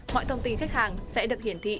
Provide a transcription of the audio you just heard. mọi thông tin khách hàng sẽ được hiển thị